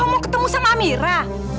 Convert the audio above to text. mau ketemu sama amira